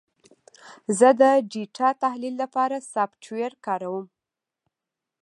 زه د ډیټا تحلیل لپاره سافټویر کاروم.